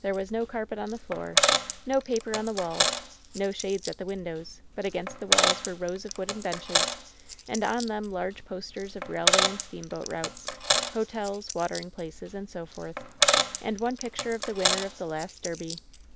There was no carpet on the floor, no paper on the walls, no shades at the windows, but against the walls were rows of wooden benches, and on them large posters of railway and steamboat routes, hotels, watering places, and so forth, and one picture of the winner of the last Derby.